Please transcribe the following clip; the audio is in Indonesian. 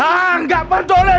eh ngak pantur oleh